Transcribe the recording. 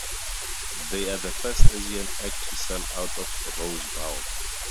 They are the first Asian act to sell out the Rose Bowl.